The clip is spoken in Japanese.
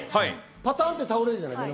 パタンって倒れるじゃない？